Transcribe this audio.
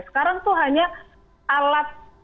sekarang itu hanya alat